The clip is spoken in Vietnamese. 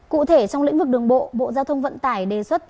cụ thể trong lĩnh vực đường bộ bộ giao thông vận tải đề xuất